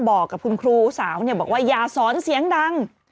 บอกกับคุณครูสาวบอกว่าอย่าสอนเสียงดัง